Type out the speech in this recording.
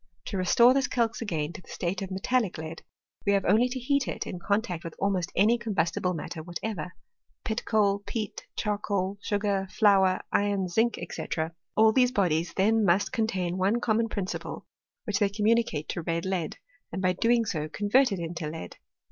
To restore this calx again to the state of metallic lead, we have only to heat it in contact with almost any com bustible matter whatever. Pit coal, peat, charcoal, isugar, flour, iron, zinc, &c., all these bodies then mu$t s2 260 HISTORY OF CHEMISTRT. contain one common principle, which they communis cate to red lead, and by so doing convert it into lead.